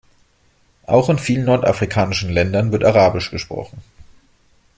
Auch in vielen nordafrikanischen Ländern wird arabisch gesprochen.